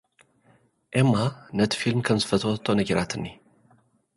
ኤማ ነቲ ፊልም ከም ዝፈተወቶ ነጊራትኒ።